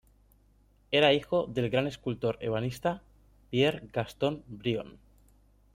Era hijo del gran escultor ebanista Pierre-Gaston Brion.